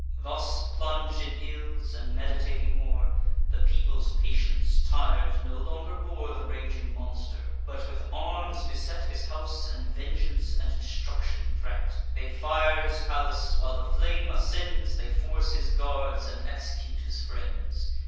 Thus plung'd in ills, and meditating more— The people's patience, tir'd, no longer bore The raging monster; but with arms beset His house, and vengeance and destruction threat. They fire his palace: while the flame ascends, They force his guards, and execute his friends.